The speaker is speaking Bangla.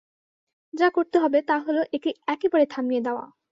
যা করতে হবে, তা হল একে একেবারে থামিয়া দেওয়া।